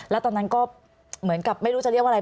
แล้วตอนนั้นก็เหมือนกับไม่รู้จะเรียกว่าอะไร